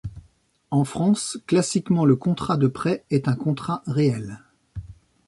En France, classiquement le contrat de prêt est un contrat réel.